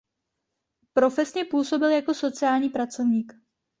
Profesně působil jako sociální pracovník.